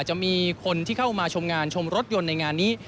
จะมีคนที่เข้ามาชมงานชมรถยนต์ในงานนี้